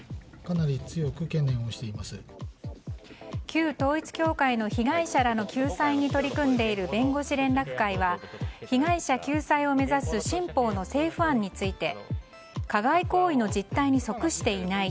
旧統一教会の被害者らの救済に取り組んでいる弁護士連絡会は被害者救済を目指す新法の政府案について加害行為の実態に即していない。